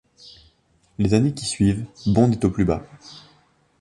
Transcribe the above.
Les années qui suivent, Bond est au plus bas.